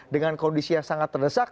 dengan kondisi yang sangat terdesak